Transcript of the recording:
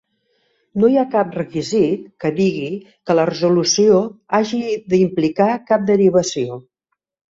No hi ha cap requisit que digui que la resolució hagi d'implicar cap derivació.